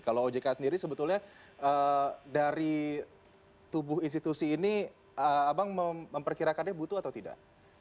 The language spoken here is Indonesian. kalau ojk sendiri sebetulnya dari tubuh institusi ini abang memperkirakannya butuh atau tidak